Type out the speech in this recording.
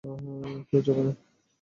কেউ যাবে না।